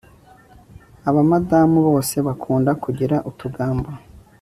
aba madamu bose bakunda kugira utugambo